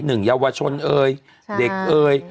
หนึ่งเยาวชนเอ้ยเด็กเอ้ย